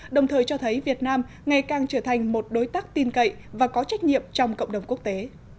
đồng thời cho thấy việt nam ngày càng trở thành một đối tác tin cậy và có trách nhiệm trong cộng đồng quốc tế